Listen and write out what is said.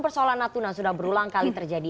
persoalan natuna sudah berulang kali terjadi